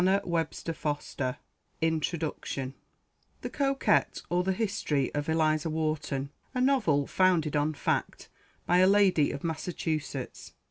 [Illustration: Eliza Wharton] THE COQUETTE; OR, THE HISTORY OF ELIZA WHARTON. A NOVEL: FOUNDED ON FACT. BY A LADY OF MASSACHUSETTS.